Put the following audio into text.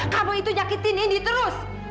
kamu itu nyakitin indi terus